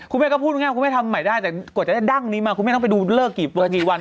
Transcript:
คุณแม่ก็พูดง่ายคุณแม่ทำใหม่ได้แต่กว่าจะได้ดั้งนี้มาคุณแม่ต้องไปดูเลิกกี่วัน